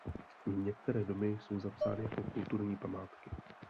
Některé domy jsou zapsány jako kulturní památky.